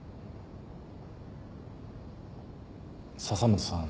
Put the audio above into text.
笹本さん。